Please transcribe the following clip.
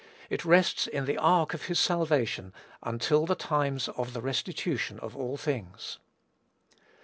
It rests in the Ark of his salvation "until the times of the restitution of all things."